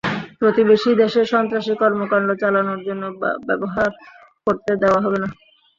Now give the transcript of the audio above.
প্রতিবেশী দেশে সন্ত্রাসী কর্মকাণ্ড চালানোর জন্য ব্যবহার করতে দেওয়া হবে না।